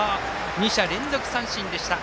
２者連続三振でした。